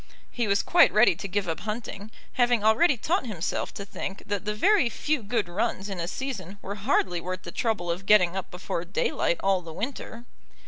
He was quite ready to give up hunting, having already taught himself to think that the very few good runs in a season were hardly worth the trouble of getting up before daylight all the winter.